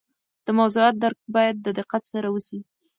د موضوعات درک باید د دقت سره وسي.